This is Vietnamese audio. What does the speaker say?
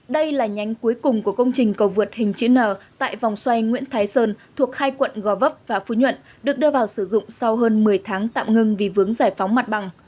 đây là nhánh cuối cùng của công trình cầu vượt hình chữ n tại vòng xoay nguyễn thái sơn thuộc hai quận gò vấp và phú nhuận được đưa vào sử dụng sau hơn một mươi tháng tạm ngừng vì vướng giải phóng mặt bằng